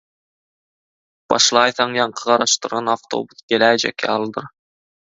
başlaýsaň ýaňky garaşdyran awtobus geläýjek ýalydyr.